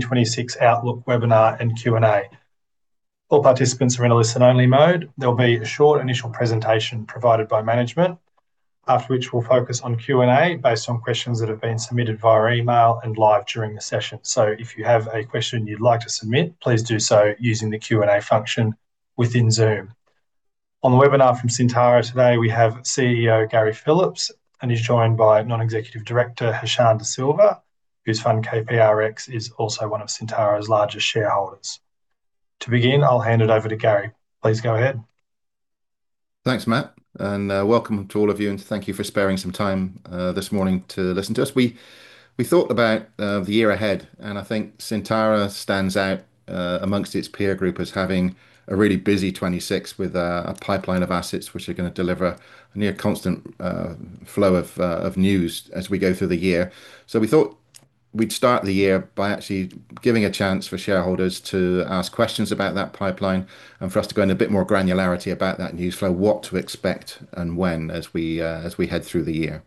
2026 Outlook webinar and Q&A. All participants are in a listen-only mode. There'll be a short initial presentation provided by management, after which we'll focus on Q&A based on questions that have been submitted via email and live during the session. So if you have a question you'd like to submit, please do so using the Q&A function within Zoom. On the webinar from Syntara today, we have CEO Gary Phillips and is joined by Non-Executive Director Hashan De Silva, whose fund KP Rx is also one of Syntara's largest shareholders. To begin, I'll hand it over to Gary. Please go ahead. Thanks, Matt. Welcome to all of you, and thank you for sparing some time this morning to listen to us. We thought about the year ahead, and I think Syntara stands out amongst its peer group as having a really busy 2026 with a pipeline of assets which are going to deliver a near-constant flow of news as we go through the year. We thought we'd start the year by actually giving a chance for shareholders to ask questions about that pipeline and for us to go into a bit more granularity about that news flow, what to expect and when as we head through the year.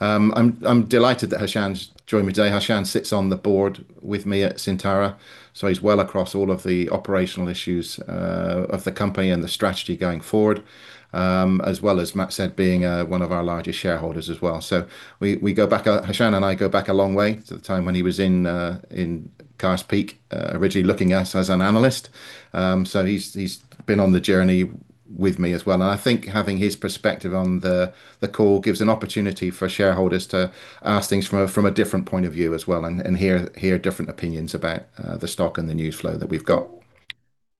I'm delighted that Hashan's joined me today. Hashan sits on the board with me at Syntara, so he's well across all of the operational issues of the company and the strategy going forward, as well as, Matt said, being one of our largest shareholders as well. So we go back, Hashan and I, go back a long way to the time when he was in Karst Peak, originally looking at us as an analyst. So he's been on the journey with me as well. I think having his perspective on the call gives an opportunity for shareholders to ask things from a different point of view as well and hear different opinions about the stock and the news flow that we've got.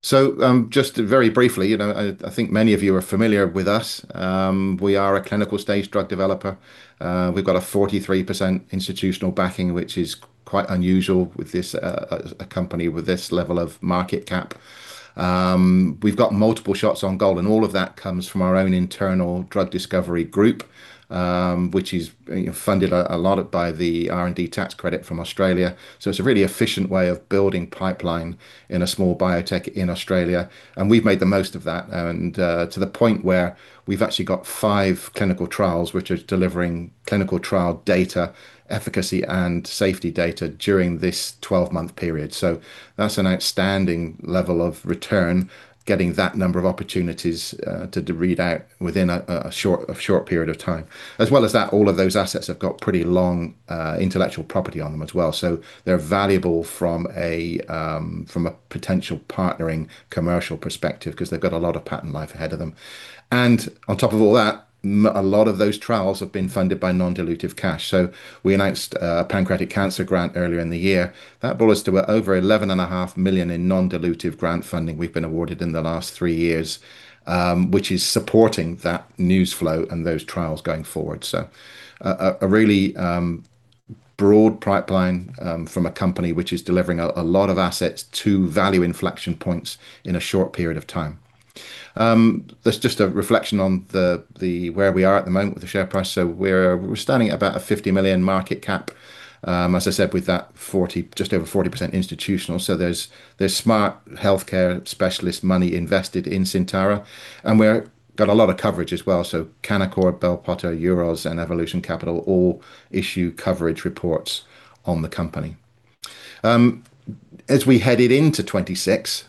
So just very briefly, I think many of you are familiar with us. We are a clinical-stage drug developer. We've got a 43% institutional backing, which is quite unusual with a company with this level of market cap. We've got multiple shots on goal, and all of that comes from our own internal drug discovery group, which is funded a lot by the R&D tax credit from Australia. So it's a really efficient way of building pipeline in a small biotech in Australia. We've made the most of that and to the point where we've actually got five clinical trials which are delivering clinical trial data, efficacy, and safety data during this 12-month period. So that's an outstanding level of return, getting that number of opportunities to read out within a short period of time. As well as that, all of those assets have got pretty long intellectual property on them as well. So they're valuable from a potential partnering commercial perspective because they've got a lot of patent life ahead of them. And on top of all that, a lot of those trials have been funded by non-dilutive cash. So we announced a pancreatic cancer grant earlier in the year. That brought us to over 11.5 million in non-dilutive grant funding we've been awarded in the last three years, which is supporting that news flow and those trials going forward. So a really broad pipeline from a company which is delivering a lot of assets to value inflection points in a short period of time. That's just a reflection on where we are at the moment with the share price. So we're standing at about a 50 million market cap, as I said, with that just over 40% institutional. So there's smart healthcare specialist money invested in Syntara, and we've got a lot of coverage as well. So Canaccord, Bell Potter, Euroz, and Evolution Capital all issue coverage reports on the company. As we headed into 2026,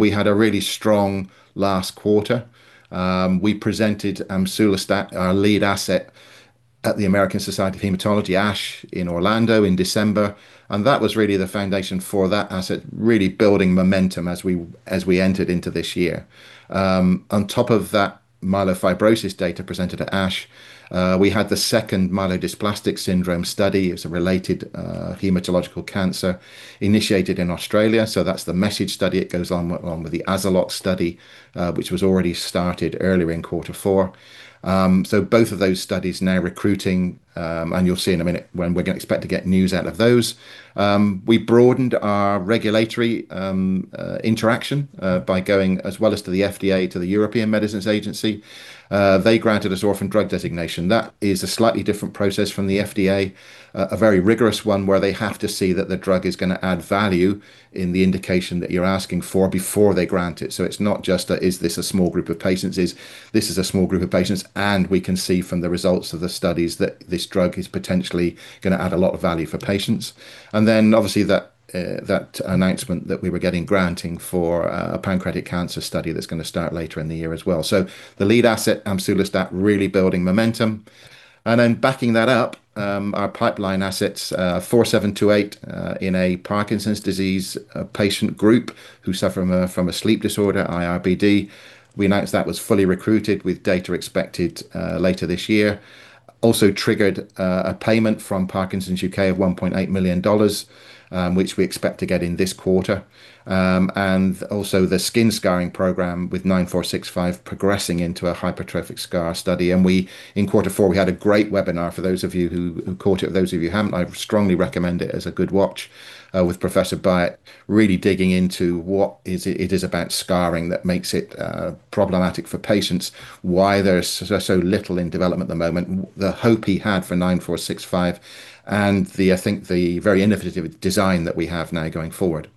we had a really strong last quarter. We presented amsulostat, our lead asset at the American Society of Hematology, ASH, in Orlando in December. And that was really the foundation for that asset, really building momentum as we entered into this year. On top of that myelofibrosis data presented at ASH, we had the second myelodysplastic syndrome study. It was a related hematological cancer initiated in Australia. So that's the MESSAGE Study. It goes along with the AZALOX Study, which was already started earlier in quarter four. So both of those studies now recruiting, and you'll see in a minute when we're going to expect to get news out of those. We broadened our regulatory interaction by going as well as to the FDA, to the European Medicines Agency. They granted us orphan drug designation. That is a slightly different process from the FDA, a very rigorous one where they have to see that the drug is going to add value in the indication that you're asking for before they grant it. So it's not just, "Is this a small group of patients?" This is a small group of patients, and we can see from the results of the studies that this drug is potentially going to add a lot of value for patients. And then obviously that announcement that we were getting granting for a pancreatic cancer study that's going to start later in the year as well. So the lead asset, amsulostat, really building momentum. And then backing that up, our pipeline assets, PXS-4728 in a Parkinson's disease patient group who suffer from a sleep disorder, iRBD. We announced that was fully recruited with data expected later this year, also triggered a payment from Parkinson's UK of 1.8 million dollars, which we expect to get in this quarter. And also the skin scarring program with SNT-9465 progressing into a hypertrophic scarring study. And in quarter four, we had a great webinar. For those of you who caught it, those of you who haven't, I strongly recommend it as a good watch with Professor Maitz really digging into what it is about scarring that makes it problematic for patients, why there's so little in development at the moment, the hope he had for SNT-9465, and I think the very innovative design that we have now going forward.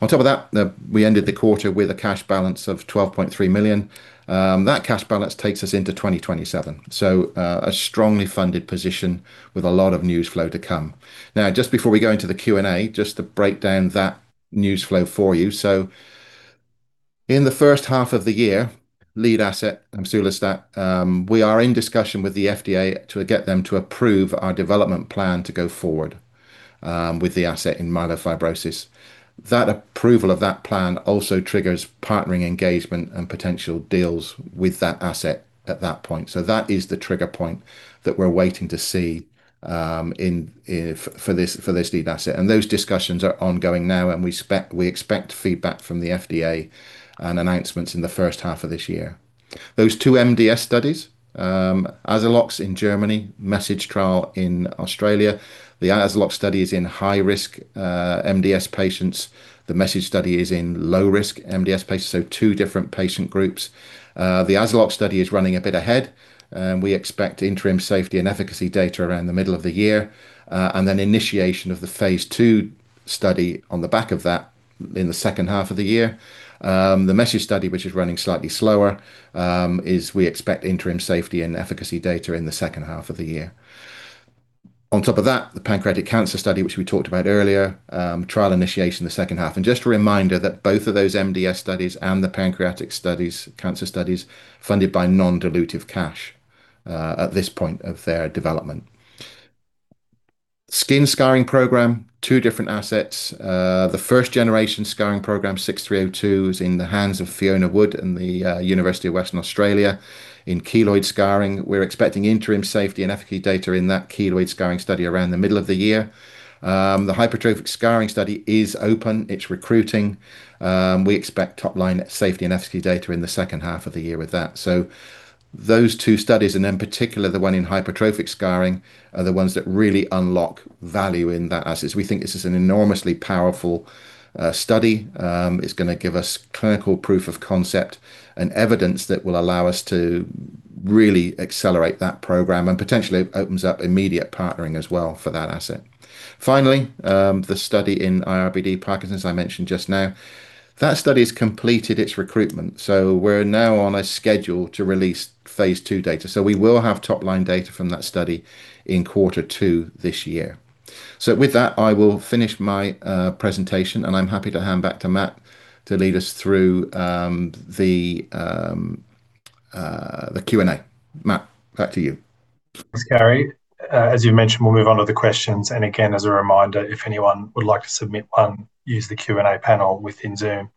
On top of that, we ended the quarter with a cash balance of 12.3 million. That cash balance takes us into 2027, so a strongly funded position with a lot of news flow to come. Now, just before we go into the Q&A, just to break down that news flow for you. So in the first half of the year, lead asset, amsulostat, we are in discussion with the FDA to get them to approve our development plan to go forward with the asset in myelofibrosis. That approval of that plan also triggers partnering engagement and potential deals with that asset at that point. So that is the trigger point that we're waiting to see for this lead asset. And those discussions are ongoing now, and we expect feedback from the FDA and announcements in the first half of this year. Those two MDS studies, AZALOX in Germany, MESSAGE Study in Australia, the AZALOX Study is in high-risk MDS patients. The MESSAGE Study is in low-risk MDS patients. So two different patient groups. The AZALOX Study is running a bit ahead. We expect interim safety and efficacy data around the middle of the year, and then initiation of the phase II study on the back of that in the second half of the year. The MESSAGE Study, which is running slightly slower, we expect interim safety and efficacy data in the second half of the year. On top of that, the pancreatic cancer study, which we talked about earlier, trial initiation the second half. And just a reminder that both of those MDS studies and the pancreatic cancer studies funded by non-dilutive cash at this point of their development. Skin scarring program, two different assets. The first generation scarring program, SNT-6302, is in the hands of Fiona Wood and the University of Western Australia in keloid scarring. We're expecting interim safety and efficacy data in that keloid scarring study around the middle of the year. The hypertrophic scarring study is open. It's recruiting. We expect top-line safety and efficacy data in the second half of the year with that. So those two studies, and in particular the one in hypertrophic scarring, are the ones that really unlock value in that asset. We think this is an enormously powerful study. It's going to give us clinical proof of concept and evidence that will allow us to really accelerate that program and potentially opens up immediate partnering as well for that asset. Finally, the study in iRBD Parkinson's, I mentioned just now, that study has completed its recruitment. We're now on a schedule to release phase II data. We will have top-line data from that study in quarter two this year. With that, I will finish my presentation, and I'm happy to hand back to Matt to lead us through the Q&A. Matt, back to you. Thanks, Gary. As you mentioned, we'll move on to the questions. And again, as a reminder, if anyone would like to submit one, use the Q&A panel within Zoom.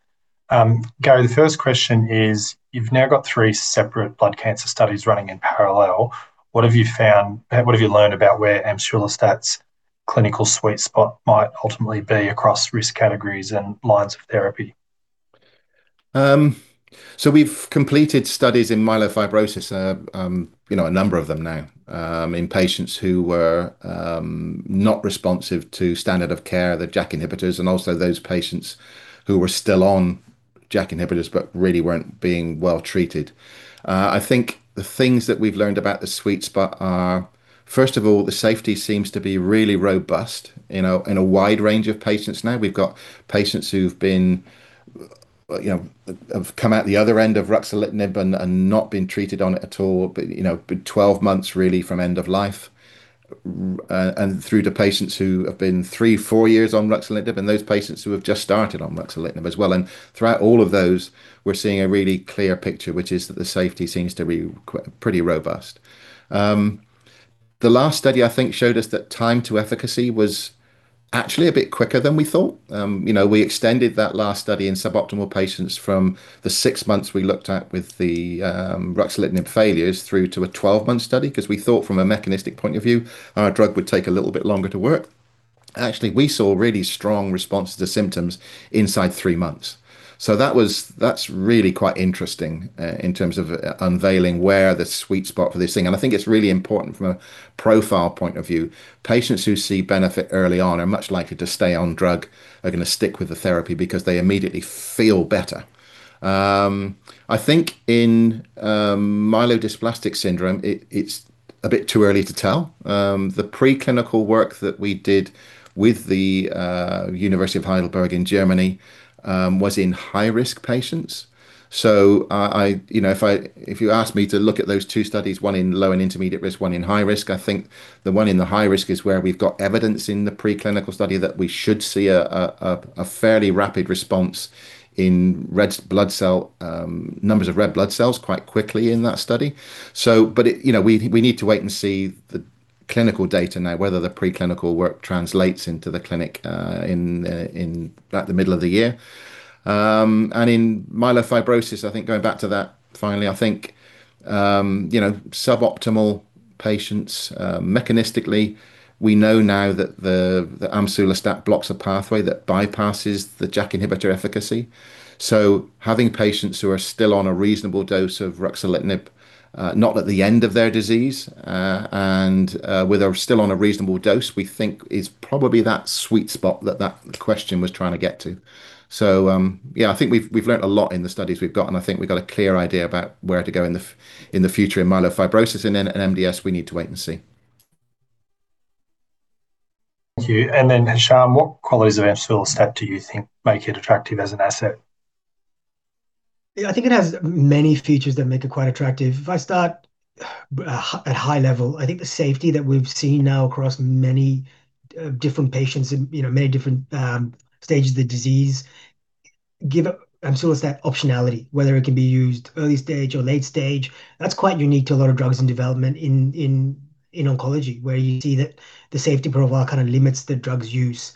Gary, the first question is, you've now got three separate blood cancer studies running in parallel. What have you found? What have you learned about where amsulostat's clinical sweet spot might ultimately be across risk categories and lines of therapy? So we've completed studies in myelofibrosis, a number of them now, in patients who were not responsive to standard of care, the JAK inhibitors, and also those patients who were still on JAK inhibitors but really weren't being well treated. I think the things that we've learned about the sweet spot are, first of all, the safety seems to be really robust in a wide range of patients now. We've got patients who've come out the other end of ruxolitinib and not been treated on it at all, but 12 months really from end of life, and through to patients who have been three, four years on ruxolitinib and those patients who have just started on ruxolitinib as well. And throughout all of those, we're seeing a really clear picture, which is that the safety seems to be pretty robust. The last study, I think, showed us that time to efficacy was actually a bit quicker than we thought. We extended that last study in suboptimal patients from the six months we looked at with the ruxolitinib failures through to a 12-month study because we thought from a mechanistic point of view, our drug would take a little bit longer to work. Actually, we saw really strong responses to symptoms inside three months. So that's really quite interesting in terms of unveiling where the sweet spot for this thing. And I think it's really important from a profile point of view. Patients who see benefit early on are much likely to stay on drug, are going to stick with the therapy because they immediately feel better. I think in myelodysplastic syndrome, it's a bit too early to tell. The preclinical work that we did with the University of Heidelberg in Germany was in high-risk patients. So if you ask me to look at those two studies, one in low and intermediate risk, one in high risk, I think the one in the high risk is where we've got evidence in the preclinical study that we should see a fairly rapid response in numbers of red blood cells quite quickly in that study. But we need to wait and see the clinical data now, whether the preclinical work translates into the clinic at the middle of the year. In myelofibrosis, I think going back to that finally, I think suboptimal patients, mechanistically, we know now that the amsulostat blocks a pathway that bypasses the JAK inhibitor efficacy. So having patients who are still on a reasonable dose of ruxolitinib, not at the end of their disease, and who are still on a reasonable dose, we think is probably that sweet spot that that question was trying to get to. So yeah, I think we've learned a lot in the studies we've got, and I think we've got a clear idea about where to go in the future in myelofibrosis. And in MDS, we need to wait and see. Thank you. And then Hashan, what qualities of amsulostat do you think make it attractive as an asset? Yeah, I think it has many features that make it quite attractive. If I start at high level, I think the safety that we've seen now across many different patients in many different stages of the disease gives amsulostat optionality, whether it can be used early stage or late stage. That's quite unique to a lot of drugs in development in oncology, where you see that the safety profile kind of limits the drug's use.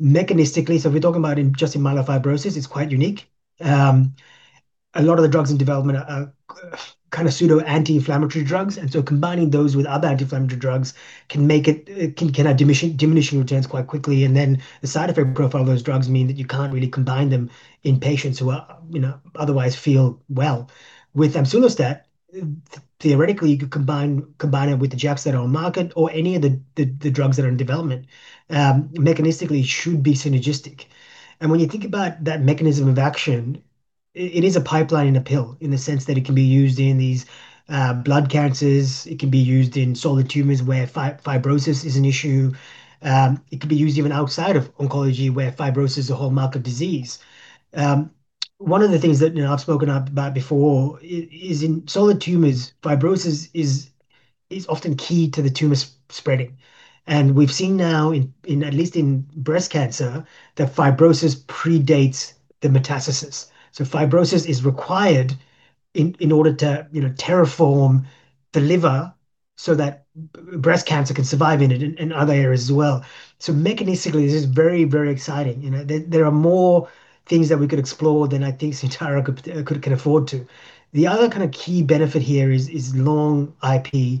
Mechanistically, so if we're talking about just in myelofibrosis, it's quite unique. A lot of the drugs in development are kind of pseudo anti-inflammatory drugs. And so combining those with other anti-inflammatory drugs can have diminishing returns quite quickly. And then the side effect profile of those drugs means that you can't really combine them in patients who otherwise feel well. With amsulostat, theoretically, you could combine it with the JAKs that are on market or any of the drugs that are in development. Mechanistically, it should be synergistic. And when you think about that mechanism of action, it is a pipeline in a pill in the sense that it can be used in these blood cancers. It can be used in solid tumors where fibrosis is an issue. It can be used even outside of oncology where fibrosis is a hallmark of disease. One of the things that I've spoken about before is in solid tumors, fibrosis is often key to the tumor spreading. And we've seen now, at least in breast cancer, that fibrosis predates the metastasis. So fibrosis is required in order to terraform the liver so that breast cancer can survive in it and other areas as well. So mechanistically, this is very, very exciting. There are more things that we could explore than I think Syntara can afford to. The other kind of key benefit here is long IP,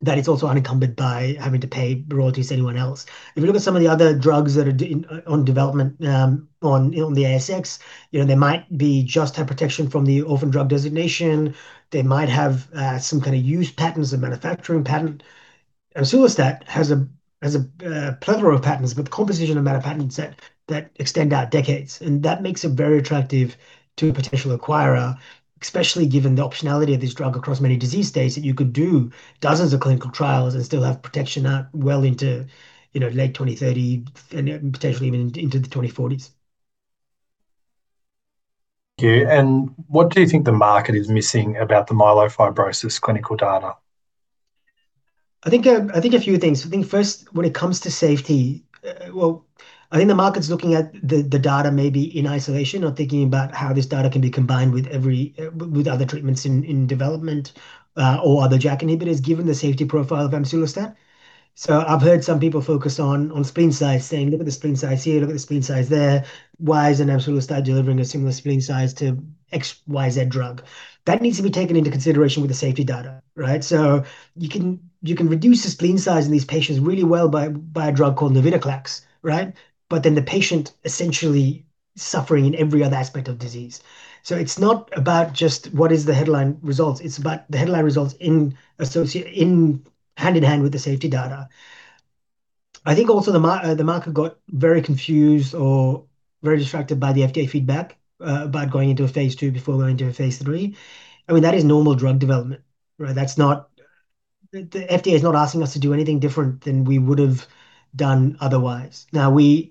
that it's also unencumbered by having to pay royalties to anyone else. If you look at some of the other drugs that are on development on the ASX, they might just have protection from the Orphan Drug Designation. They might have some kind of used patents, a manufacturing patent. amsulostat has a plethora of patents, but the composition of many patents that extend out decades. And that makes it very attractive to a potential acquirer, especially given the optionality of this drug across many disease states that you could do dozens of clinical trials and still have protection out well into late 2030 and potentially even into the 2040s. Thank you. And what do you think the market is missing about the myelofibrosis clinical data? I think a few things. I think first, when it comes to safety, well, I think the market's looking at the data maybe in isolation or thinking about how this data can be combined with other treatments in development or other JAK inhibitors given the safety profile of amsulostat. So I've heard some people focus on spleen size saying, "Look at the spleen size here. Look at the spleen size there. Why isn't amsulostat delivering a similar spleen size to XYZ drug?" That needs to be taken into consideration with the safety data, right? So you can reduce the spleen size in these patients really well by a drug called Navitoclax, right? But then the patient essentially suffering in every other aspect of disease. So it's not about just what is the headline results. It's about the headline results hand in hand with the safety data. I think also the market got very confused or very distracted by the FDA feedback about going into a phase II before going into a phase III. I mean, that is normal drug development, right? The FDA is not asking us to do anything different than we would have done otherwise. Now, we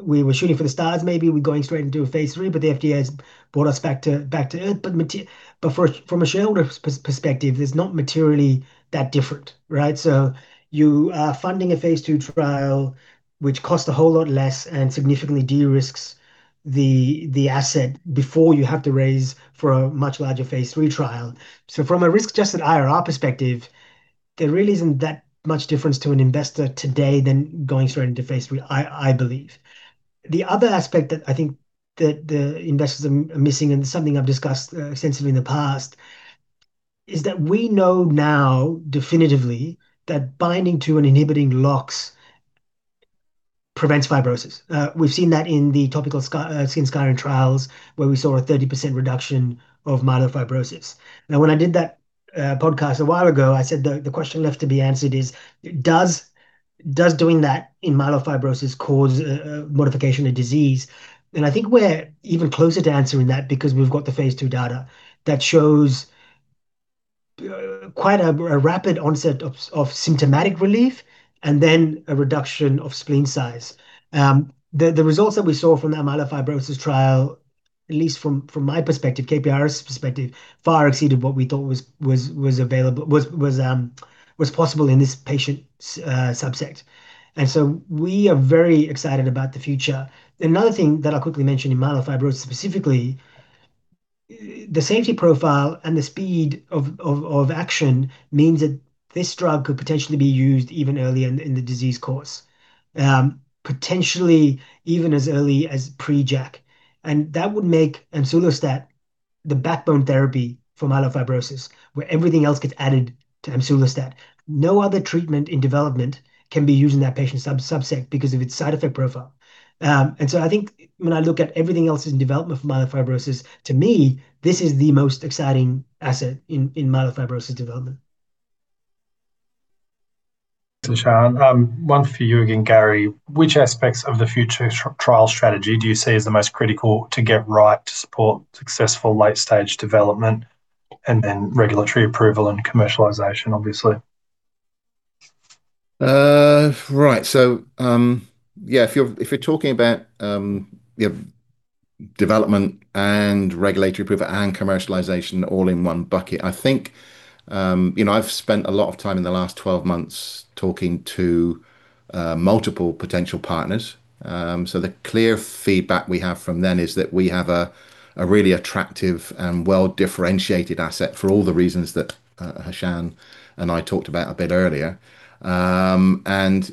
were shooting for the stars. Maybe we're going straight into a phase III, but the FDA has brought us back to Earth. But from a shareholder perspective, there's not materially that different, right? So you are funding a phase II trial, which costs a whole lot less and significantly de-risks the asset before you have to raise for a much larger phase III trial. So from a risk-adjusted IRR perspective, there really isn't that much difference to an investor today than going straight into phase III, I believe. The other aspect that I think that the investors are missing and something I've discussed extensively in the past is that we know now definitively that binding to an inhibiting LOX prevents fibrosis. We've seen that in the topical skin scarring trials where we saw a 30% reduction of myelofibrosis. Now, when I did that podcast a while ago, I said the question left to be answered is, "Does doing that in myelofibrosis cause modification of disease?" And I think we're even closer to answering that because we've got the phase II data that shows quite a rapid onset of symptomatic relief and then a reduction of spleen size. The results that we saw from that myelofibrosis trial, at least from my perspective, Karst Peak's perspective, far exceeded what we thought was possible in this patient subset. And so we are very excited about the future. Another thing that I'll quickly mention in myelofibrosis specifically, the safety profile and the speed of action means that this drug could potentially be used even earlier in the disease course, potentially even as early as pre-JAK. And that would make amsulostat the backbone therapy for myelofibrosis where everything else gets added to amsulostat. No other treatment in development can be used in that patient subset because of its side effect profile. And so I think when I look at everything else in development for myelofibrosis, to me, this is the most exciting asset in myelofibrosis development. Hashan, one for you again, Gary. Which aspects of the future trial strategy do you see as the most critical to get right to support successful late-stage development and then regulatory approval and commercialization, obviously? Right. So yeah, if you're talking about development and regulatory approval and commercialization all in one bucket, I think I've spent a lot of time in the last 12 months talking to multiple potential partners. So the clear feedback we have from them is that we have a really attractive and well-differentiated asset for all the reasons that Hashan and I talked about a bit earlier. And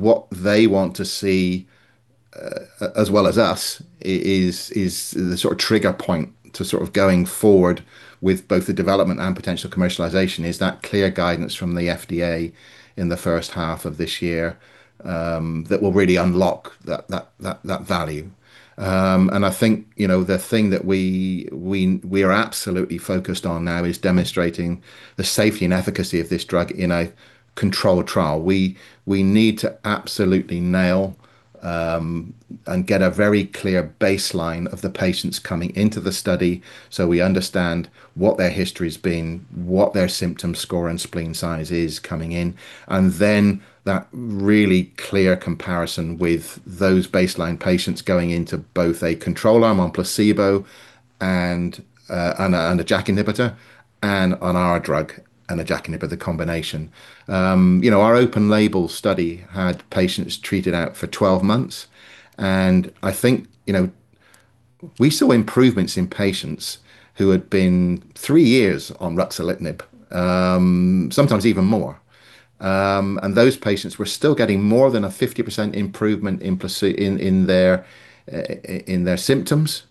what they want to see, as well as us, is the sort of trigger point to sort of going forward with both the development and potential commercialization is that clear guidance from the FDA in the first half of this year that will really unlock that value. And I think the thing that we are absolutely focused on now is demonstrating the safety and efficacy of this drug in a controlled trial. We need to absolutely nail and get a very clear baseline of the patients coming into the study so we understand what their history's been, what their symptom score and spleen size is coming in, and then that really clear comparison with those baseline patients going into both a control arm on placebo and a JAK inhibitor and on our drug and a JAK inhibitor combination. Our open-label study had patients treated out for 12 months. And I think we saw improvements in patients who had been three years on ruxolitinib, sometimes even more. And those patients were still getting more than a 50% improvement in their symptoms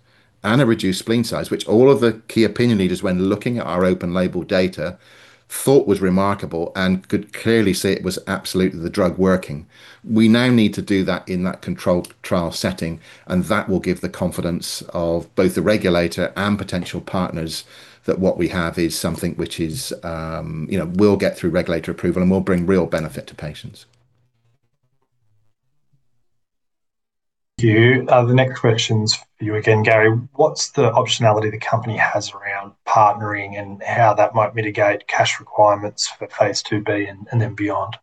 and a reduced spleen size, which all of the key opinion leaders, when looking at our open-label data, thought was remarkable and could clearly say it was absolutely the drug working. We now need to do that in that controlled trial setting, and that will give the confidence of both the regulator and potential partners that what we have is something which will get through regulatory approval and will bring real benefit to patients. Thank you. The next question's for you again, Gary. What's the optionality the company has around partnering and how that might mitigate cash requirements phase II-B and then beyond?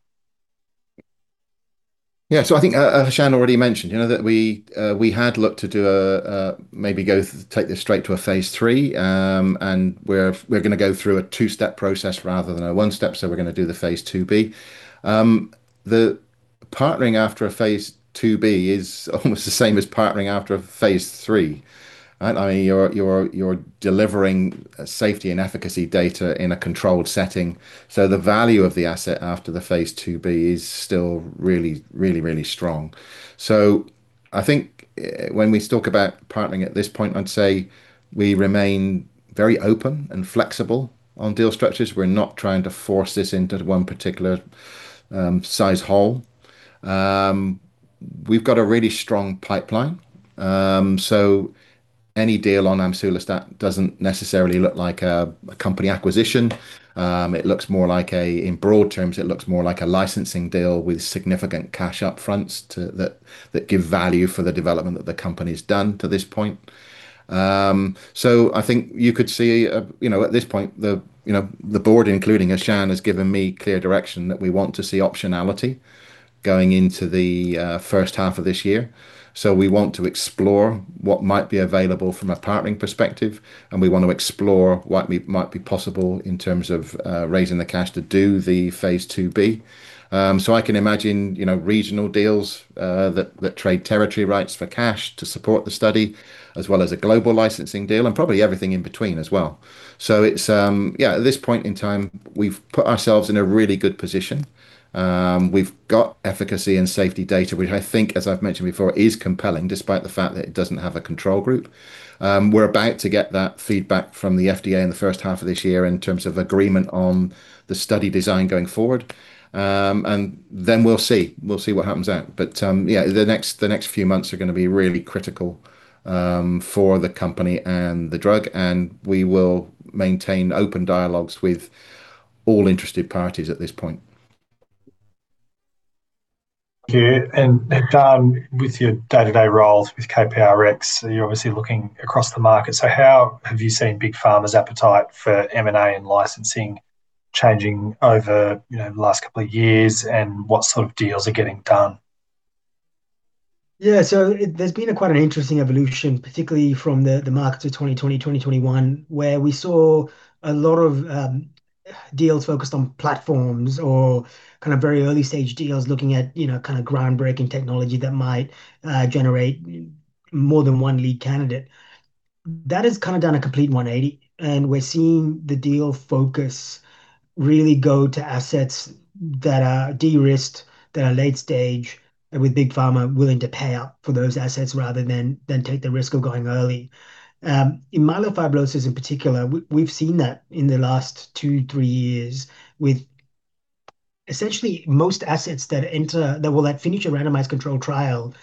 Yeah. So I think Hashan already mentioned that we had looked to maybe take this straight to a phase III, and we're going to go through a two-step process rather than a one-step. So we're going to do phase II-B. the partnering after phase II-B is almost the same as partnering after a phase III, right? I mean, you're delivering safety and efficacy data in a controlled setting. So the value of the asset after phase II-B is still really, really, really strong. So I think when we talk about partnering at this point, I'd say we remain very open and flexible on deal structures. We're not trying to force this into one particular size hole. We've got a really strong pipeline. So any deal on amsulostat doesn't necessarily look like a company acquisition. It looks more like a, in broad terms, it looks more like a licensing deal with significant cash upfront that gives value for the development that the company's done to this point. So I think you could see at this point, the board, including Hashan, has given me clear direction that we want to see optionality going into the first half of this year. So we want to explore what might be available from a partnering perspective, and we want to explore what might be possible in terms of raising the cash to do phase II-B. so I can imagine regional deals that trade territory rights for cash to support the study, as well as a global licensing deal, and probably everything in between as well. So yeah, at this point in time, we've put ourselves in a really good position. We've got efficacy and safety data, which I think, as I've mentioned before, is compelling despite the fact that it doesn't have a control group. We're about to get that feedback from the FDA in the first half of this year in terms of agreement on the study design going forward. And then we'll see. We'll see what happens out. But yeah, the next few months are going to be really critical for the company and the drug, and we will maintain open dialogues with all interested parties at this point. Thank you. And with your day-to-day roles with KP Rx, you're obviously looking across the market. So how have you seen Big Pharma's appetite for M&A and licensing changing over the last couple of years, and what sort of deals are getting done? Yeah. So there's been quite an interesting evolution, particularly from the market to 2020, 2021, where we saw a lot of deals focused on platforms or kind of very early-stage deals looking at kind of groundbreaking technology that might generate more than one lead candidate. That has kind of done a complete 180, and we're seeing the deal focus really go to assets that are de-risked, that are late-stage, and with big pharma willing to pay out for those assets rather than take the risk of going early. In myelofibrosis, in particular, we've seen that in the last two to three years with essentially most assets that will finish a randomized controlled trial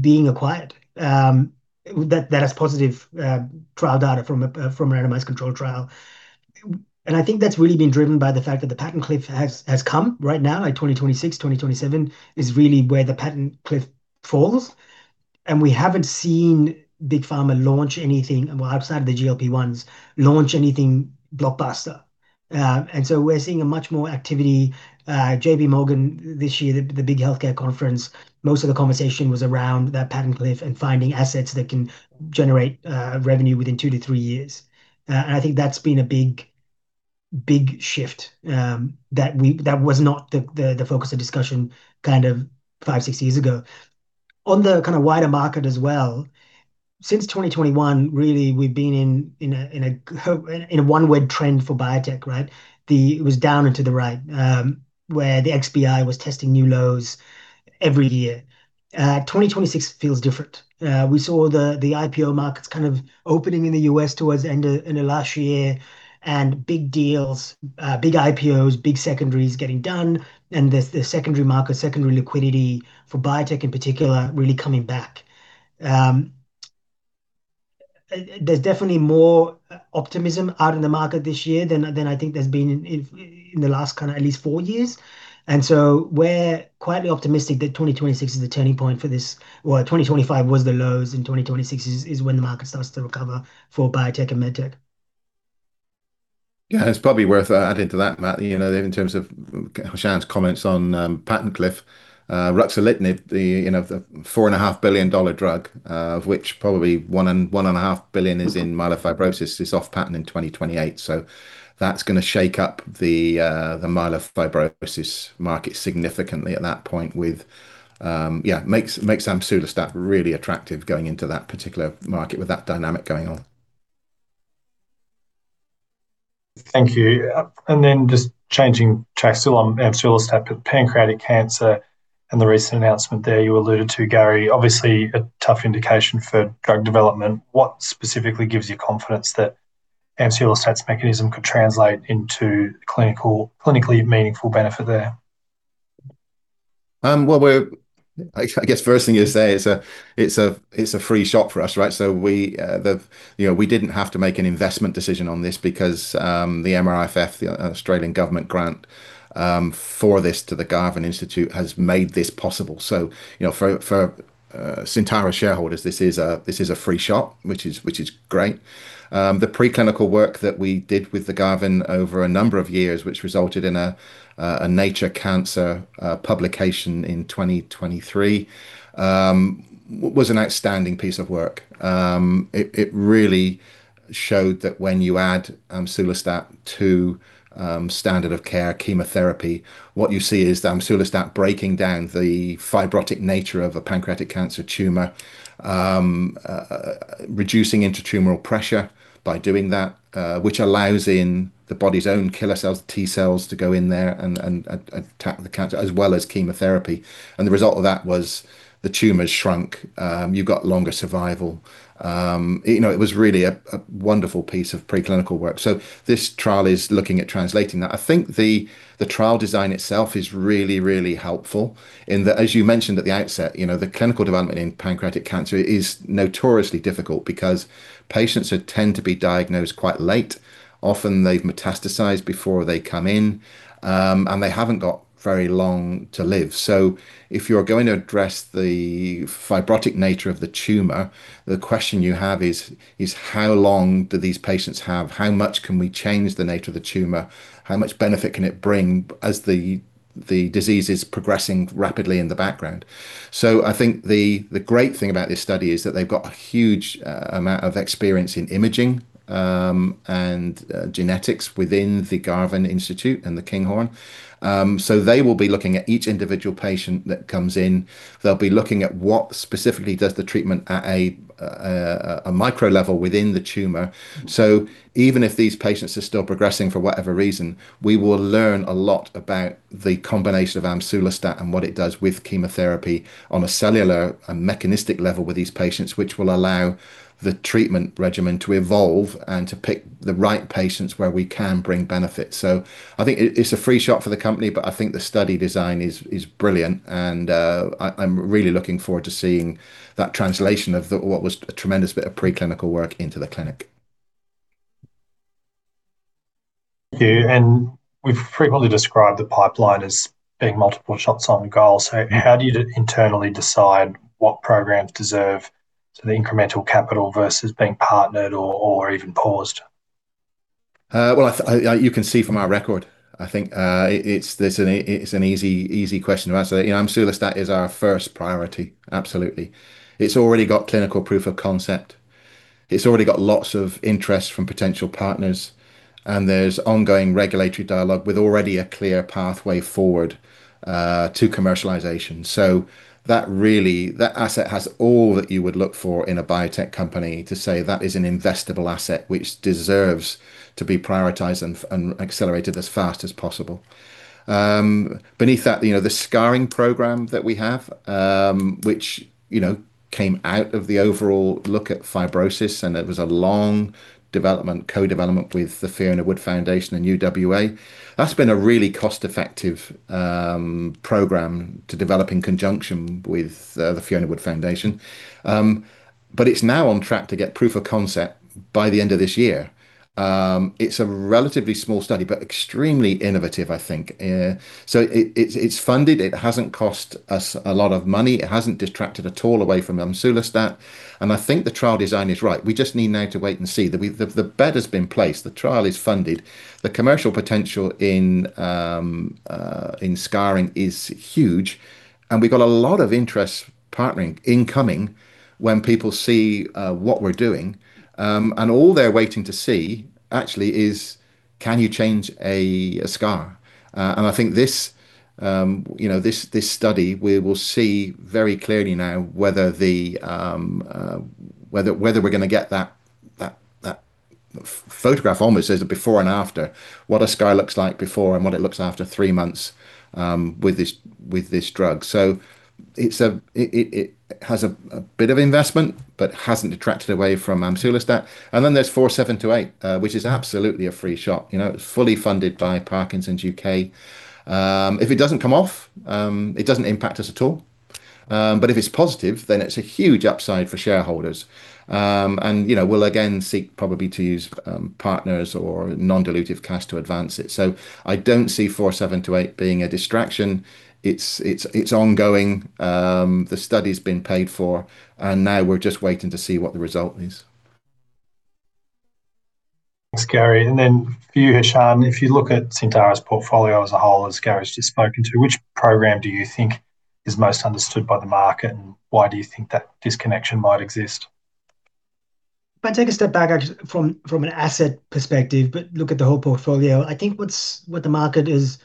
being acquired. That has positive trial data from a randomized controlled trial. And I think that's really been driven by the fact that the patent cliff has come right now. 2026-2027 is really where the patent cliff falls. We haven't seen Big Pharma launch anything, well, outside of the GLP-1s, launch anything blockbuster. So we're seeing much more activity. JPMorgan this year, the big healthcare conference, most of the conversation was around that patent cliff and finding assets that can generate revenue within two to three years. I think that's been a big shift that was not the focus of discussion kind of five to six years ago. On the kind of wider market as well, since 2021, really, we've been in a one-way trend for biotech, right? It was down and to the right where the XBI was testing new lows every year. 2026 feels different. We saw the IPO markets kind of opening in the U.S. towards the end of last year and big deals, big IPOs, big secondaries getting done, and the secondary market, secondary liquidity for biotech in particular really coming back. There's definitely more optimism out in the market this year than I think there's been in the last kind of at least four years. And so we're quietly optimistic that 2026 is the turning point for this, well, 2025 was the lows, and 2026 is when the market starts to recover for biotech and medtech. Yeah. It's probably worth adding to that, Matt, in terms of Hashan's comments on patent cliff, ruxolitinib, the 4.5 billion dollar drug, of which probably 1.5 billion is in myelofibrosis, is off patent in 2028. So that's going to shake up the myelofibrosis market significantly at that point with, yeah, makes amsulostat really attractive going into that particular market with that dynamic going on. Thank you. And then just changing tracks still on amsulostat, pancreatic cancer and the recent announcement there you alluded to, Gary, obviously a tough indication for drug development. What specifically gives you confidence that amsulostat's mechanism could translate into clinically meaningful benefit there? Well, I guess first thing you say is it's a free shot for us, right? So we didn't have to make an investment decision on this because the MRFF, the Australian government grant for this to the Garvan Institute, has made this possible. So for Syntara shareholders, this is a free shot, which is great. The preclinical work that we did with the Garvan over a number of years, which resulted in a Nature Cancer publication in 2023, was an outstanding piece of work. It really showed that when you add amsulostat to standard of care chemotherapy, what you see is amsulostat breaking down the fibrotic nature of a pancreatic cancer tumor, reducing intratumoral pressure by doing that, which allows in the body's own killer cells, T cells, to go in there and attack the cancer, as well as chemotherapy. And the result of that was the tumor shrunk. You've got longer survival. It was really a wonderful piece of preclinical work. So this trial is looking at translating that. I think the trial design itself is really, really helpful in that, as you mentioned at the outset, the clinical development in pancreatic cancer is notoriously difficult because patients tend to be diagnosed quite late. Often, they've metastasized before they come in, and they haven't got very long to live. So if you're going to address the fibrotic nature of the tumor, the question you have is, how long do these patients have? How much can we change the nature of the tumor? How much benefit can it bring as the disease is progressing rapidly in the background? So I think the great thing about this study is that they've got a huge amount of experience in imaging and genetics within the Garvan Institute and The Kinghorn. So they will be looking at each individual patient that comes in. They'll be looking at what specifically does the treatment at a micro level within the tumor. So even if these patients are still progressing for whatever reason, we will learn a lot about the combination of amsulostat and what it does with chemotherapy on a cellular and mechanistic level with these patients, which will allow the treatment regimen to evolve and to pick the right patients where we can bring benefit. So I think it's a free shot for the company, but I think the study design is brilliant, and I'm really looking forward to seeing that translation of what was a tremendous bit of preclinical work into the clinic. Thank you. And we've frequently described the pipeline as being multiple shots on the goal. So how do you internally decide what programs deserve the incremental capital versus being partnered or even paused? Well, you can see from our record, I think it's an easy question to answer. Amsulostat is our first priority, absolutely. It's already got clinical proof of concept. It's already got lots of interest from potential partners, and there's ongoing regulatory dialogue with already a clear pathway forward to commercialization. So that asset has all that you would look for in a biotech company to say that is an investable asset which deserves to be prioritized and accelerated as fast as possible. Beneath that, the scarring program that we have, which came out of the overall look at fibrosis, and it was a long development, co-development with the Fiona Wood Foundation and UWA. That's been a really cost-effective program to develop in conjunction with the Fiona Wood Foundation. But it's now on track to get proof of concept by the end of this year. It's a relatively small study, but extremely innovative, I think. So it's funded. It hasn't cost us a lot of money. It hasn't distracted at all away from amsulostat. And I think the trial design is right. We just need now to wait and see. The bet has been placed. The trial is funded. The commercial potential in scarring is huge, and we've got a lot of interest partnering incoming when people see what we're doing. And all they're waiting to see actually is, can you change a scar? And I think this study, we will see very clearly now whether we're going to get that photograph almost as a before and after, what a scar looks like before and what it looks after three months with this drug. So it has a bit of investment but hasn't detracted away from amsulostat. And then there's PXS-4728, which is absolutely a free shot. It's fully funded by Parkinson's UK. If it doesn't come off, it doesn't impact us at all. But if it's positive, then it's a huge upside for shareholders. And we'll again seek probably to use partners or non-dilutive cash to advance it. So I don't see PXS-4728 being a distraction. It's ongoing. The study's been paid for, and now we're just waiting to see what the result is. Thanks, Gary. And then for you, Hashan, if you look at Syntara's portfolio as a whole, as Gary's just spoken to, which program do you think is most understood by the market, and why do you think that disconnection might exist? If I take a step back from an asset perspective, but look at the whole portfolio, I think what the market is,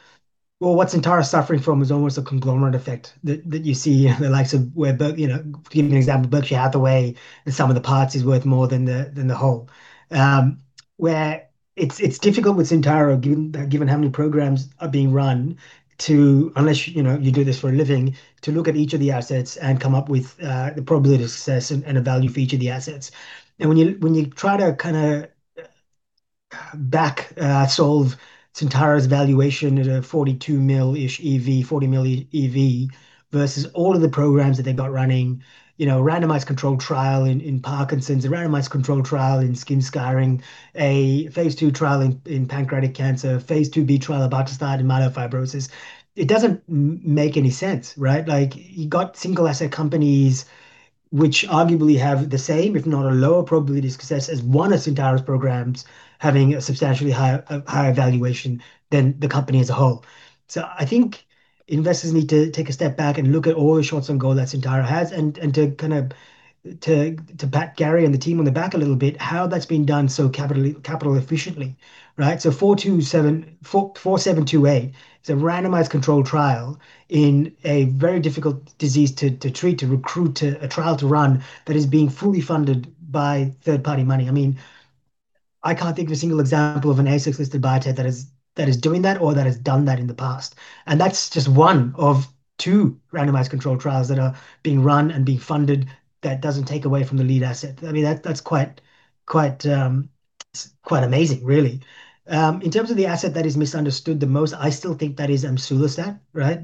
or what Syntara's suffering from, is almost a conglomerate effect that you see in the likes of where Berkshire Hathaway, in some of the parts, is worth more than the whole. Where it's difficult with Syntara, given how many programs are being run, unless you do this for a living, to look at each of the assets and come up with the probability of success and a value for each of the assets. And when you try to kind of back-solve Syntara's valuation at an 42 million-ish EV, 40 million EV, versus all of the programs that they've got running, randomized controlled trial in Parkinson's, a randomized controlled trial in skin scarring, a phase II trial in pancreatic phase II-B trial of amsulostat in myelofibrosis, it doesn't make any sense, right? You've got single-asset companies which arguably have the same, if not a lower probability of success, as one of Syntara's programs having a substantially higher valuation than the company as a whole. So I think investors need to take a step back and look at all the shots on goal that Syntara has. And to kind of pat Gary and the team on the back a little bit, how that's been done so capital-efficiently, right? So PXS-4728 is a randomized controlled trial in a very difficult disease to treat, to recruit, a trial to run that is being fully funded by third-party money. I mean, I can't think of a single example of an ASX-listed biotech that is doing that or that has done that in the past. And that's just one of two randomized controlled trials that are being run and being funded that doesn't take away from the lead asset. I mean, that's quite amazing, really. In terms of the asset that is misunderstood the most, I still think that is amsulostat, right?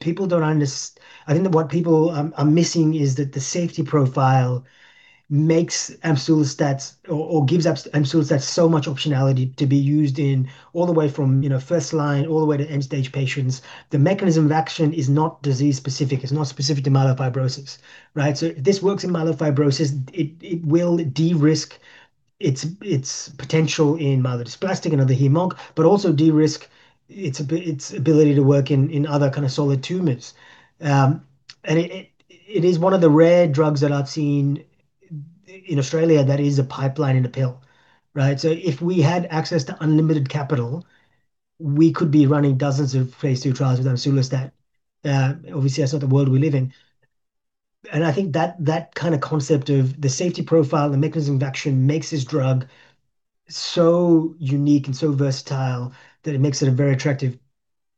People don't understand. I think what people are missing is that the safety profile makes amsulostat or gives amsulostat so much optionality to be used in all the way from first line all the way to end-stage patients. The mechanism of action is not disease-specific. It's not specific to myelofibrosis, right? So if this works in myelofibrosis, it will de-risk its potential in myelodysplastic and other hematologic, but also de-risk its ability to work in other kind of solid tumors. And it is one of the rare drugs that I've seen in Australia that is a pipeline in a pill, right? So if we had access to unlimited capital, we could be running dozens of phase II trials with amsulostat. Obviously, that's not the world we live in. And I think that kind of concept of the safety profile and the mechanism of action makes this drug so unique and so versatile that it makes it a very attractive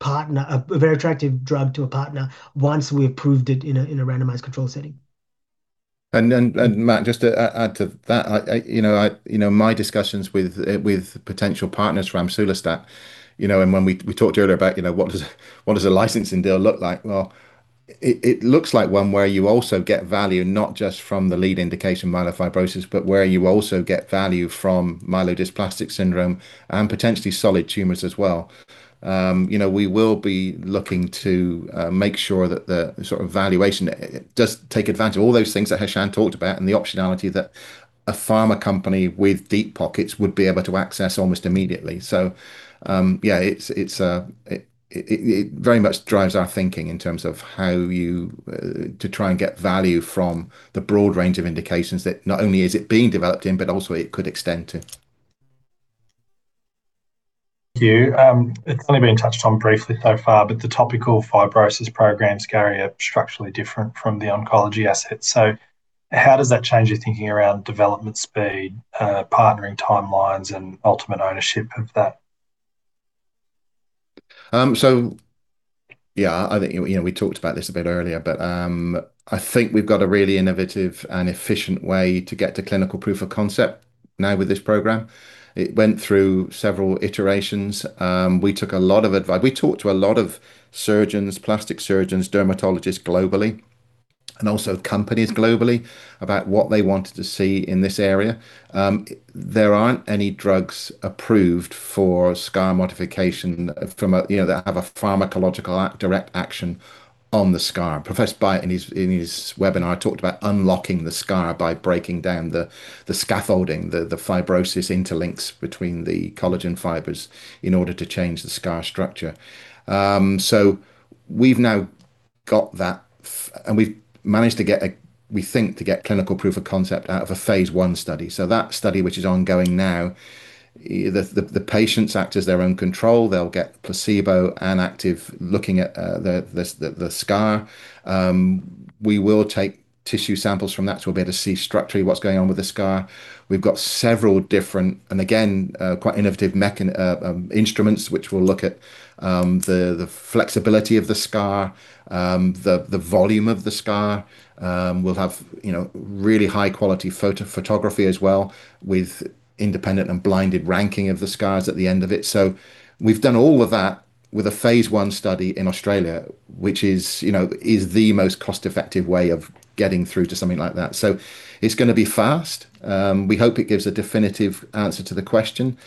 drug to a partner once we've proved it in a randomized control setting. Matt, just to add to that, my discussions with potential partners for amsulostat, and when we talked earlier about what does a licensing deal look like, well, it looks like one where you also get value not just from the lead indication, myelofibrosis, but where you also get value from myelodysplastic syndrome and potentially solid tumors as well. We will be looking to make sure that the sort of valuation does take advantage of all those things that Hashan talked about and the optionality that a pharma company with deep pockets would be able to access almost immediately. So yeah, it very much drives our thinking in terms of how you try and get value from the broad range of indications that not only is it being developed in, but also it could extend to. Thank you. It's only been touched on briefly so far, but the topical fibrosis programs, Gary, are structurally different from the oncology assets. So how does that change your thinking around development speed, partnering timelines, and ultimate ownership of that? So yeah, I think we talked about this a bit earlier, but I think we've got a really innovative and efficient way to get to clinical proof of concept now with this program. It went through several iterations. We took a lot of advice. We talked to a lot of surgeons, plastic surgeons, dermatologists globally, and also companies globally about what they wanted to see in this area. There aren't any drugs approved for scar modification that have a pharmacological direct action on the scar. Professor Maitz, in his webinar, talked about unlocking the scar by breaking down the scaffolding, the fibrosis interlinks between the collagen fibers in order to change the scar structure. So we've now got that, and we've managed to get, we think, to get clinical proof of concept out of a phase I study. So that study, which is ongoing now, the patients act as their own control. They'll get placebo and active looking at the scar. We will take tissue samples from that, so we'll be able to see structurally what's going on with the scar. We've got several different and again, quite innovative instruments which will look at the flexibility of the scar, the volume of the scar. We'll have really high-quality photography as well with independent and blinded ranking of the scars at the end of it. So we've done all of that with a phase I study in Australia, which is the most cost-effective way of getting through to something like that. So it's going to be fast. We hope it gives a definitive answer to the question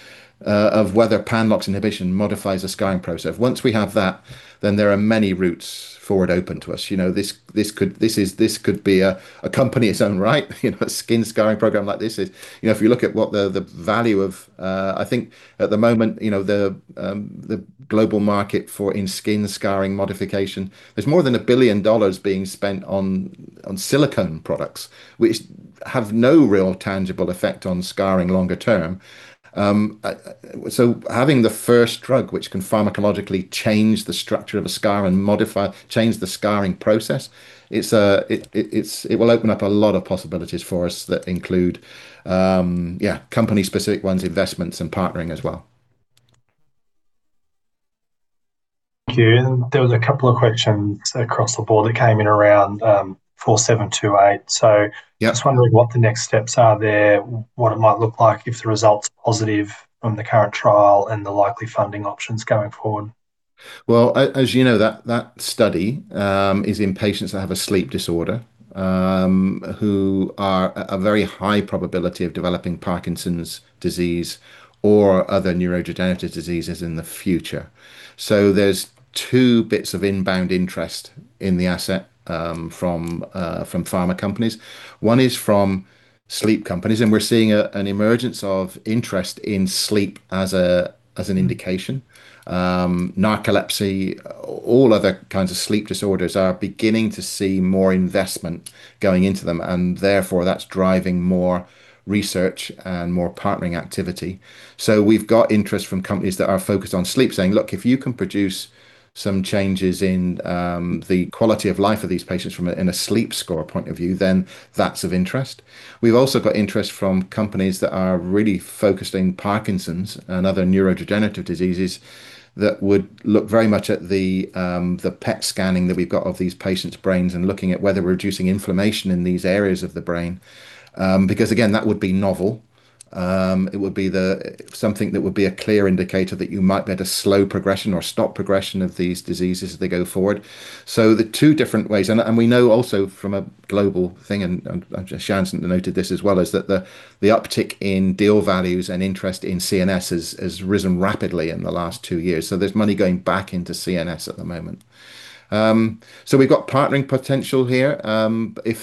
of whether pan-LOX inhibition modifies the scarring process. Once we have that, then there are many routes forward open to us. This could be a company of its own, right? A skin scarring program like this is. If you look at what the value of, I think at the moment, the global market for skin scarring modification, there's more than 1 billion dollars being spent on silicone products which have no real tangible effect on scarring longer term. So having the first drug which can pharmacologically change the structure of a scar and change the scarring process, it will open up a lot of possibilities for us that include, yeah, company-specific ones, investments, and partnering as well. Thank you. There were a couple of questions across the board that came in around PXS-4728. Just wondering what the next steps are there, what it might look like if the results are positive from the current trial and the likely funding options going forward. Well, as you know, that study is in patients that have a sleep disorder who are a very high probability of developing Parkinson's disease or other neurodegenerative diseases in the future. So there's two bits of inbound interest in the asset from pharma companies. One is from sleep companies, and we're seeing an emergence of interest in sleep as an indication. Narcolepsy, all other kinds of sleep disorders are beginning to see more investment going into them, and therefore that's driving more research and more partnering activity. So we've got interest from companies that are focused on sleep saying, "Look, if you can produce some changes in the quality of life of these patients from a sleep score point of view, then that's of interest." We've also got interest from companies that are really focused on Parkinson's and other neurodegenerative diseases that would look very much at the PET scanning that we've got of these patients' brains and looking at whether we're reducing inflammation in these areas of the brain. Because again, that would be novel. It would be something that would be a clear indicator that you might be able to slow progression or stop progression of these diseases as they go forward. So the two different ways. We know also from a global thing, and Hashan noted this as well, is that the uptick in deal values and interest in CNS has risen rapidly in the last two years. So there's money going back into CNS at the moment. So we've got partnering potential here if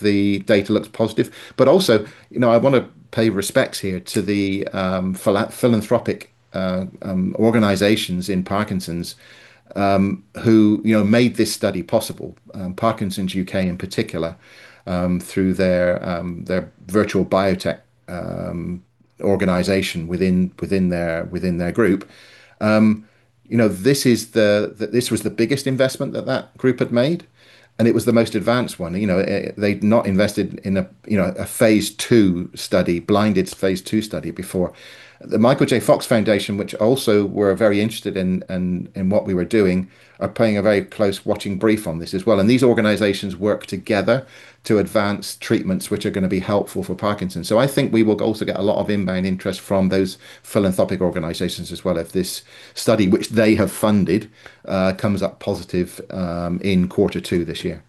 the data looks positive. But also, I want to pay respects here to the philanthropic organizations in Parkinson's who made this study possible, Parkinson's UK in particular, through their virtual biotech organization within their group. This was the biggest investment that that group had made, and it was the most advanced one. They'd not invested in a phase II study, blinded phase II study before. The Michael J. Fox Foundation, which also were very interested in what we were doing, are paying a very close watching brief on this as well. These organizations work together to advance treatments which are going to be helpful for Parkinson's. I think we will also get a lot of inbound interest from those philanthropic organizations as well if this study, which they have funded, comes up positive in quarter two this year.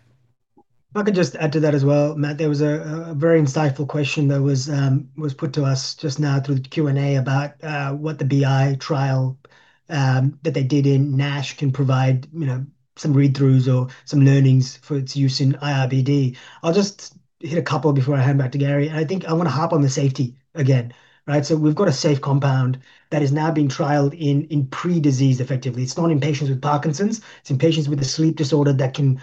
If I can just add to that as well, Matt, there was a very insightful question that was put to us just now through the Q&A about what the BI trial that they did in NASH can provide some read-throughs or some learnings for its use in iRBD. I'll just hit a couple before I hand back to Gary. I think I want to hop on the safety again, right? We've got a safe compound that is now being trialed in pre-disease effectively. It's not in patients with Parkinson's. It's in patients with a sleep disorder that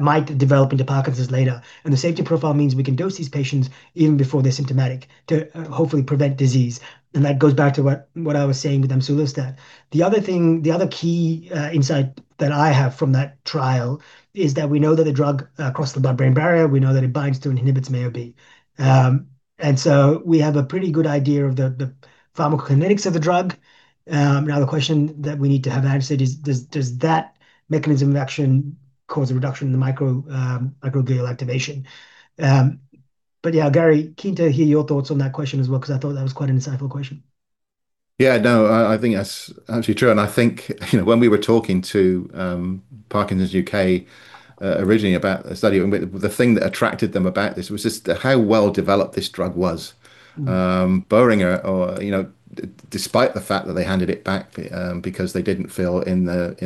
might develop into Parkinson's later. The safety profile means we can dose these patients even before they're symptomatic to hopefully prevent disease. That goes back to what I was saying with amsulostat. The other key insight that I have from that trial is that we know that the drug crosses the blood-brain barrier. We know that it binds to and inhibits VAP-1. So we have a pretty good idea of the pharmacokinetics of the drug. Now, the question that we need to have answered is, does that mechanism of action cause a reduction in the microglial activation? But yeah, Gary, keen to hear your thoughts on that question as well because I thought that was quite an insightful question. Yeah, no, I think that's actually true. And I think when we were talking to Parkinson's UK originally about the study, the thing that attracted them about this was just how well developed this drug was. Boehringer, despite the fact that they handed it back because they didn't feel in a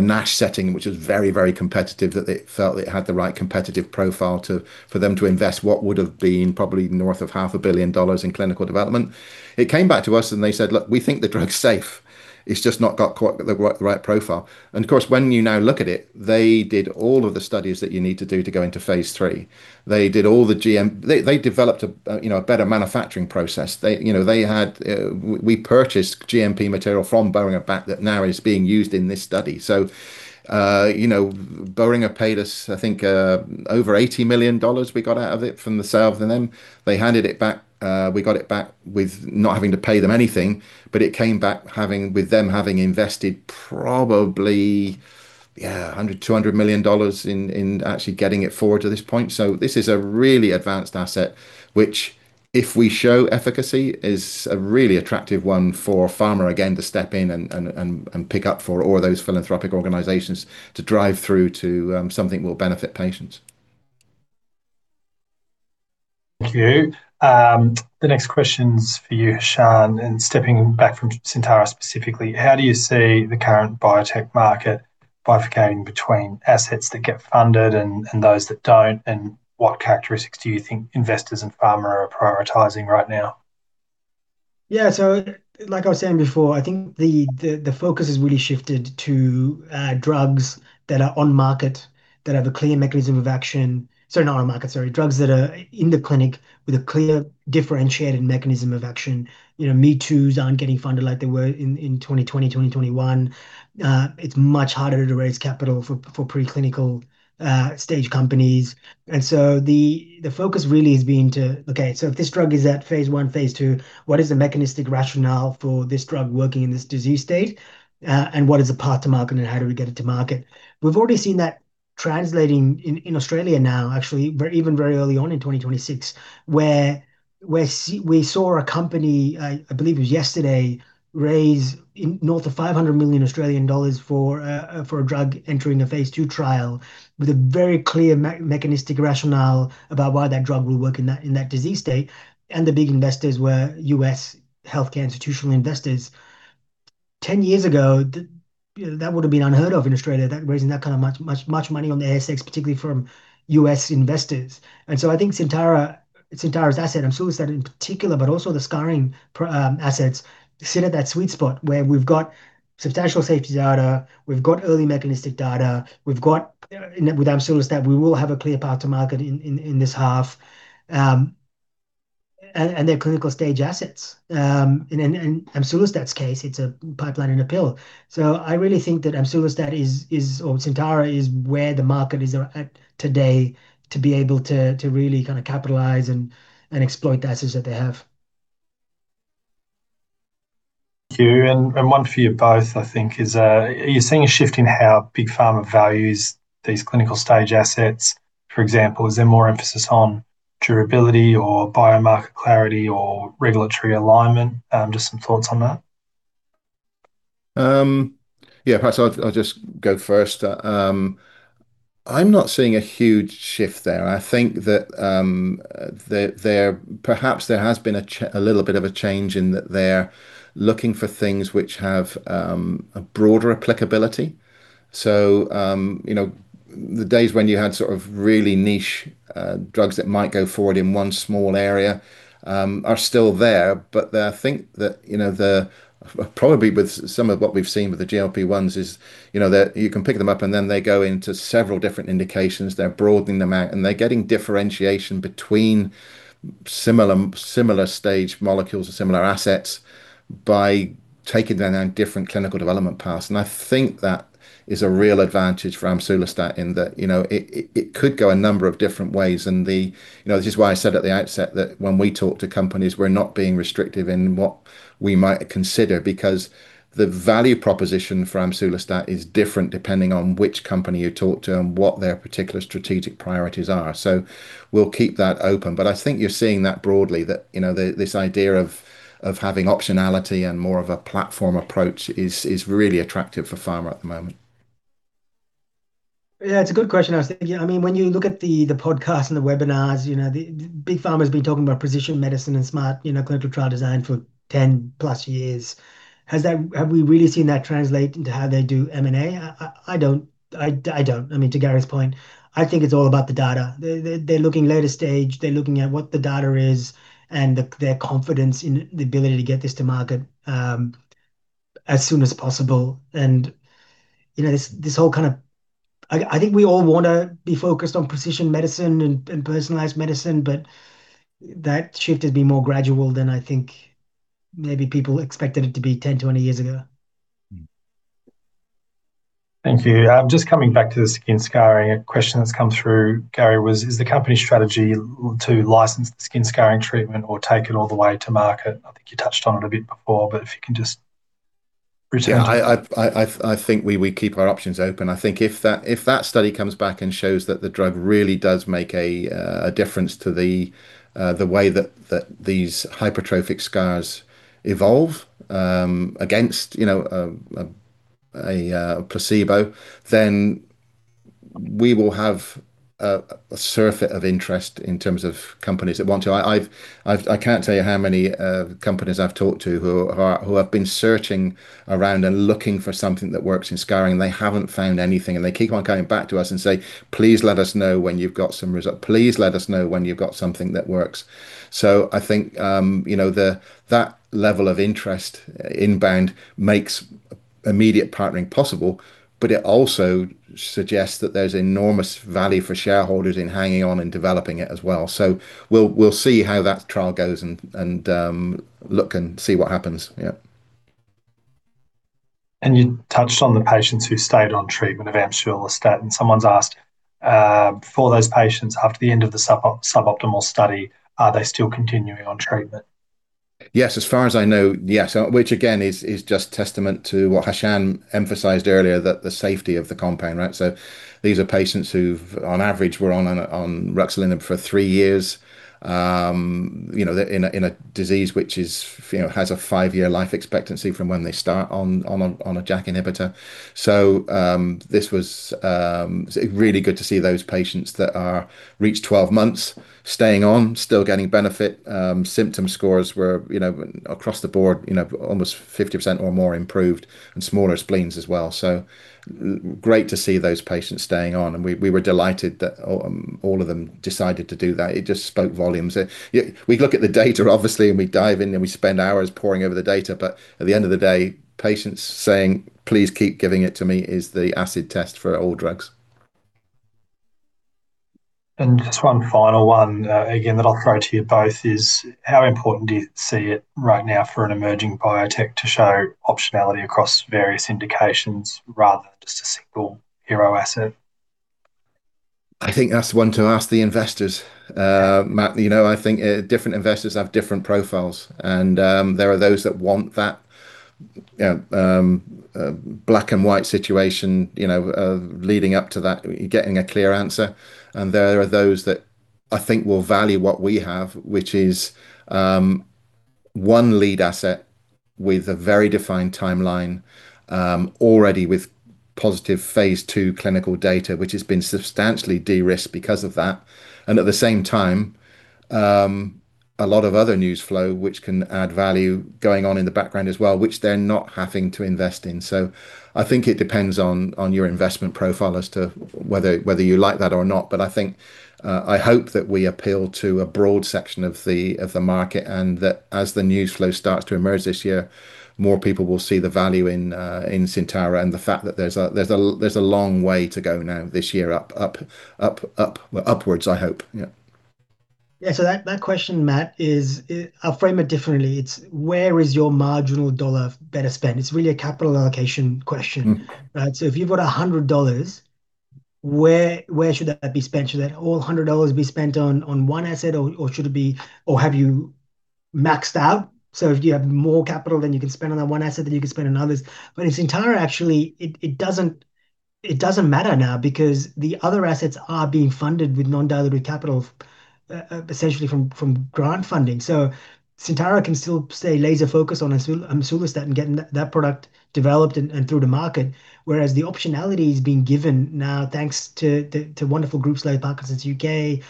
NASH setting, which was very, very competitive, that they felt it had the right competitive profile for them to invest what would have been probably north of 500 million dollars in clinical development. It came back to us and they said, "Look, we think the drug's safe. It's just not got the right profile." And of course, when you now look at it, they did all of the studies that you need to do to go into phase III. They did all the GMP they developed a better manufacturing process. We purchased GMP material from Boehringer back that now is being used in this study. So Boehringer paid us, I think, over 80 million dollars we got out of it from the sales to them. They handed it back. We got it back with not having to pay them anything, but it came back with them having invested probably, yeah, 100 million-200 million dollars in actually getting it forward to this point. So this is a really advanced asset, which if we show efficacy, is a really attractive one for a pharma again to step in and pick up for all those philanthropic organizations to drive through to something that will benefit patients. Thank you. The next question's for you, Hashan. And stepping back from Syntara specifically, how do you see the current biotech market bifurcating between assets that get funded and those that don't? And what characteristics do you think investors and pharma are prioritizing right now? Yeah, so like I was saying before, I think the focus has really shifted to drugs that are on market, that have a clear mechanism of action. Sorry, not on market, sorry, drugs that are in the clinic with a clear differentiated mechanism of action. Me-toos aren't getting funded like they were in 2020, 2021. It's much harder to raise capital for preclinical stage companies. So the focus really has been to, okay, so if this drug is at phase I, phase II, what is the mechanistic rationale for this drug working in this disease state? And what is a path to market and how do we get it to market? We've already seen that translating in Australia now, actually, even very early on in 2026, where we saw a company, I believe it was yesterday, raise north of 500 million Australian dollars for a drug entering a phase II trial with a very clear mechanistic rationale about why that drug will work in that disease state. The big investors were U.S. healthcare institutional investors. 10 years ago, that would have been unheard of in Australia, raising that kind of much, much, much money on the ASX, particularly from U.S. investors. So I think Syntara's asset, amsulostat in particular, but also the scarring assets, sit at that sweet spot where we've got substantial safety data, we've got early mechanistic data, we've got with amsulostat, we will have a clear path to market in this half, and their clinical stage assets. In amsulostat's case, it's a pipeline in a pill. So I really think that amsulostat or Syntara is where the market is at today to be able to really kind of capitalize and exploit the assets that they have. Thank you. One for you both, I think, is: are you seeing a shift in how Big Pharma values these clinical-stage assets? For example, is there more emphasis on durability or biomarker clarity or regulatory alignment? Just some thoughts on that. Yeah, perhaps I'll just go first. I'm not seeing a huge shift there. I think that perhaps there has been a little bit of a change in that they're looking for things which have a broader applicability. So the days when you had sort of really niche drugs that might go forward in one small area are still there. But I think that probably with some of what we've seen with the GLP-1s is that you can pick them up and then they go into several different indications. They're broadening them out and they're getting differentiation between similar stage molecules and similar assets by taking them down different clinical development paths. And I think that is a real advantage for amsulostat in that it could go a number of different ways. This is why I said at the outset that when we talk to companies, we're not being restrictive in what we might consider because the value proposition for amsulostat is different depending on which company you talk to and what their particular strategic priorities are. We'll keep that open. I think you're seeing that broadly, that this idea of having optionality and more of a platform approach is really attractive for pharma at the moment. Yeah, it's a good question. I was thinking, I mean, when you look at the podcast and the webinars, big pharma has been talking about precision medicine and smart clinical trial design for 10+ years. Have we really seen that translate into how they do M&A? I don't. I don't. I mean, to Gary's point, I think it's all about the data. They're looking later stage. They're looking at what the data is and their confidence in the ability to get this to market as soon as possible. And this whole kind of I think we all want to be focused on precision medicine and personalized medicine, but that shift has been more gradual than I think maybe people expected it to be 10, 20 years ago. Thank you. Just coming back to the skin scarring, a question that's come through, Gary, was, is the company's strategy to license the skin scarring treatment or take it all the way to market? I think you touched on it a bit before, but if you can just return. Yeah, I think we keep our options open. I think if that study comes back and shows that the drug really does make a difference to the way that these hypertrophic scars evolve against a placebo, then we will have a source of interest in terms of companies that want to. I can't tell you how many companies I've talked to who have been searching around and looking for something that works in scarring and they haven't found anything, and they keep on coming back to us and say, "Please let us know when you've got some results. Please let us know when you've got something that works." So I think that level of interest, inbound, makes immediate partnering possible, but it also suggests that there's enormous value for shareholders in hanging on and developing it as well. We'll see how that trial goes and look and see what happens. Yeah. You touched on the patients who stayed on treatment of amsulostat. Someone's asked, for those patients, after the end of the suboptimal study, are they still continuing on treatment? Yes, as far as I know, yes. Which again is just testament to what Hashan emphasized earlier, that the safety of the compound, right? So these are patients who, on average, were on ruxolitinib for three years in a disease which has a five-year life expectancy from when they start on a JAK inhibitor. So it's really good to see those patients that reached 12 months staying on, still getting benefit. Symptom scores were across the board, almost 50% or more improved, and smaller spleens as well. So great to see those patients staying on. And we were delighted that all of them decided to do that. It just spoke volumes. We look at the data, obviously, and we dive in and we spend hours poring over the data. At the end of the day, patients saying, "Please keep giving it to me," is the acid test for all drugs. Just one final one again that I'll throw to you both is, how important do you see it right now for an emerging biotech to show optionality across various indications rather than just a single hero asset? I think that's one to ask the investors. Matt, I think different investors have different profiles. There are those that want that black-and-white situation leading up to that, getting a clear answer. There are those that I think will value what we have, which is one lead asset with a very defined timeline, already with positive phase II clinical data, which has been substantially de-risked because of that. At the same time, a lot of other news flow, which can add value going on in the background as well, which they're not having to invest in. I think it depends on your investment profile as to whether you like that or not. But I hope that we appeal to a broad section of the market and that as the news flow starts to emerge this year, more people will see the value in Syntara and the fact that there's a long way to go now this year upwards, I hope. Yeah. Yeah, so that question, Matt, I'll frame it differently. It's, where is your marginal dollar better spent? It's really a capital allocation question, right? So if you've got 100 dollars, where should that be spent? Should that all 100 dollars be spent on one asset, or should it be, or have you maxed out? So if you have more capital than you can spend on that one asset, then you can spend on others. But in Syntara, actually, it doesn't matter now because the other assets are being funded with non-dilutive capital, essentially from grant funding. So Syntara can still stay laser-focused on amsulostat and get that product developed and through the market. Whereas the optionality is being given now thanks to wonderful groups like Parkinson's UK,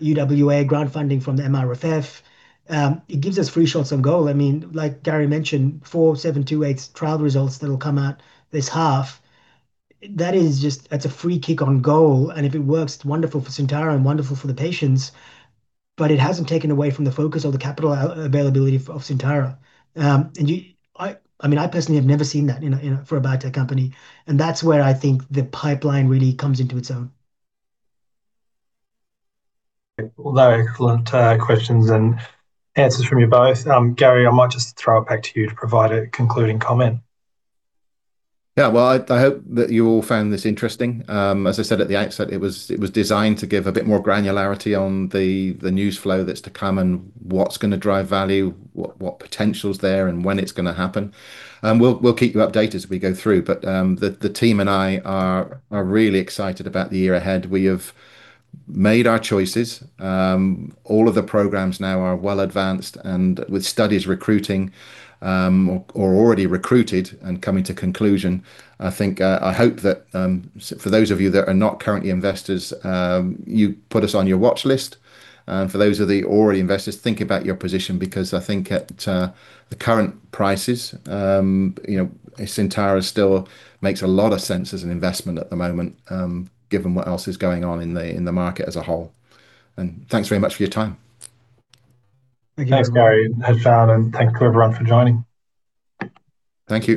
UWA, grant funding from the MRFF. It gives us free shots on goal. I mean, like Gary mentioned, PXS-4728's trial results that will come out this half, that's a free kick on goal. And if it works, it's wonderful for Syntara and wonderful for the patients. But it hasn't taken away from the focus or the capital availability of Syntara. And I mean, I personally have never seen that for a biotech company. And that's where I think the pipeline really comes into its own. All those excellent questions and answers from you both. Gary, I might just throw it back to you to provide a concluding comment. Yeah, well, I hope that you all found this interesting. As I said at the outset, it was designed to give a bit more granularity on the news flow that's to come and what's going to drive value, what potential's there, and when it's going to happen. We'll keep you updated as we go through. But the team and I are really excited about the year ahead. We have made our choices. All of the programs now are well advanced and with studies recruiting or already recruited and coming to conclusion. I hope that for those of you that are not currently investors, you put us on your watchlist. For those of the already investors, think about your position because I think at the current prices, Syntara still makes a lot of sense as an investment at the moment, given what else is going on in the market as a whole. Thanks very much for your time. Thanks, Gary, Hashan. Thanks to everyone for joining. Thank you.